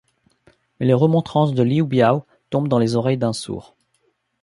Mais les remontrances de Liu Biao tombent dans les oreilles d'un sourd.